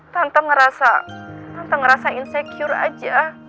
tante ngerasa tante ngerasa insecure aja